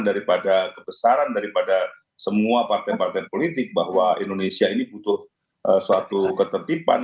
daripada kebesaran daripada semua partai partai politik bahwa indonesia ini butuh suatu ketertiban